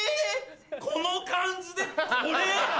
この感じでこれ？